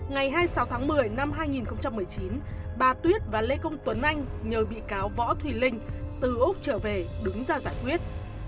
ngày hai mươi sáu tháng một mươi năm hai nghìn một mươi chín bà tuyết và lê công tuấn anh nhờ bị cáo võ thùy linh từ úc trở về đứng ra giải quyết